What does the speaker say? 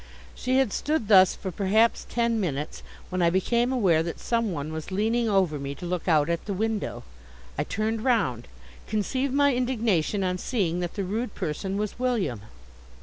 She had stood thus for perhaps ten minutes, when I became aware that some one was leaning over me, to look out at the window. I turned round. Conceive my indignation on seeing that the rude person was William.